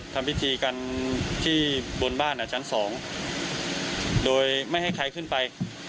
ทำพิธีกันที่บนบ้านชั้นสองโดยไม่ให้ใครขึ้นไป